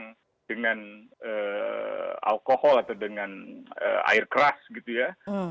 yang dengan alkohol atau dengan air keras gitu ya